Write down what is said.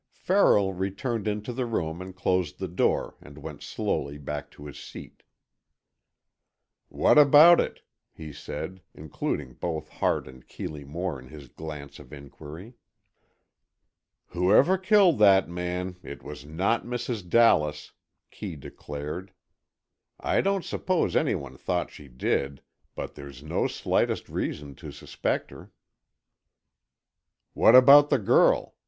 Farrell returned into the room and closed the door, and went slowly back to his seat. "What about it?" he said, including both Hart and Keeley Moore in his glance of inquiry. "Whoever killed that man, it was not Mrs. Dallas," Kee declared. "I don't suppose anybody thought she did, but there's no slightest reason to suspect her." "What about the girl?"